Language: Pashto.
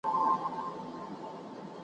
د خیالي حوري په خیال کي زنګېدلای .